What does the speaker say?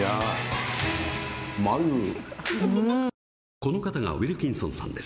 この方がウィルキンソンさんです。